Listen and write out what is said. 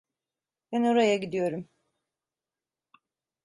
Ben oraya gidiyorum.